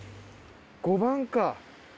５番か。